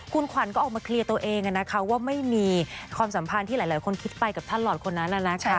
คุณขวัญก็ออกมาเคลียร์ตัวเองนะคะว่าไม่มีความสัมพันธ์ที่หลายคนคิดไปกับท่านหลอดคนนั้นนะคะ